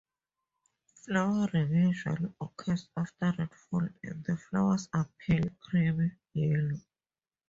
Flowering usually occurs after rainfall and the flowers are pale creamy yellow.